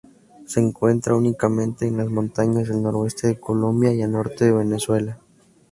Se encuentra únicamente en las montañas del noreste de Colombia y norte de Venezuela.